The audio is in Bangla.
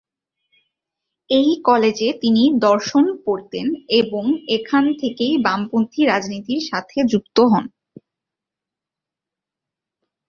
এই কলেজে তিনি দর্শন পড়তেন এবং এখান থেকেই বামপন্থী রাজনীতির সাথে যুক্ত হন।